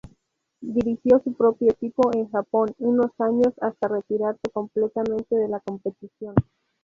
Dirigió su propio equipo en Japón unos años, hasta retirarse completamente de la competición.